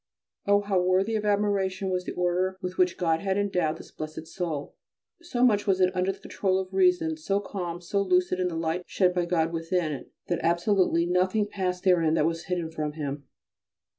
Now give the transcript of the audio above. Oh, how worthy of admiration was the order with which God had endowed this blessed soul! so much was it under the control of reason, so calm, and so lucid the light shed by God within it that absolutely nothing passed therein that was hidden from him.